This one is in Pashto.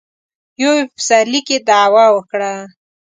يو يې په پسرلي کې دعوه وکړه.